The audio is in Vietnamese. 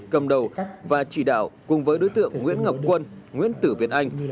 cầm đầu và chỉ đạo cùng với đối tượng nguyễn ngọc quân nguyễn tử việt anh